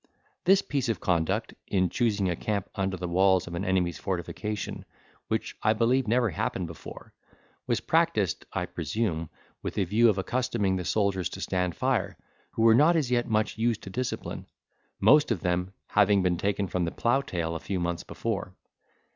This piece of conduct, in choosing a camp under the walls of an enemy's fortification, which I believe never happened before, was practised, I presume, with a view of accustoming the soldiers to stand fire, who were not as yet much used to discipline, most of them having been taken from the plough tail a few months before.